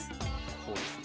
こうですね？